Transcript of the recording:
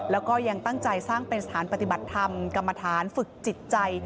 แล้วก็ยังตั้งใจสร้างเป็นสถานปฏิบัติธรรมกรรมฐานฝึกจิตใจ